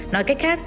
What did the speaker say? nói cách khác